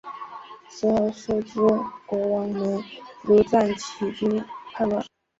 随后苏毗国王没庐赞起兵叛乱。